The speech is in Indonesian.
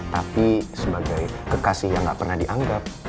tapi sebagai kekasih yang gak pernah dianggap